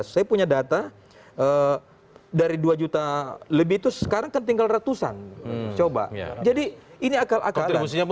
dua ribu tujuh belas saya punya data dari dua juta lebih itu sekarang tinggal ratusan coba jadi ini akal akal